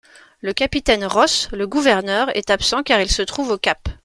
Le capitaine Ross, le gouverneur, est absent car il se trouve au Cap.